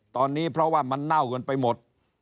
ตอนนี้เพราะว่ามันเน่ากันไปหมด